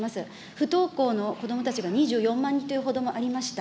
不登校の子どもたちが２４万人という報道もありました。